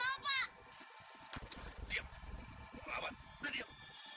apa diam mau ngelawan udah diam